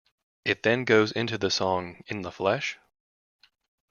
It then goes into the song In the Flesh?